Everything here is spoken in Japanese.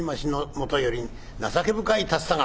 もとより情け深い竜田川。